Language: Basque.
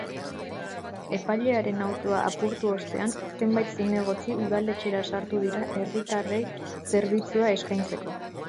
Epailearen autoa apurtu ostean, zenbait zinegotzi udaletxera sartu dira hiritarrei zerbitzua eskaintzeko.